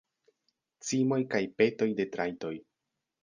Cimoj kaj petoj de trajtoj.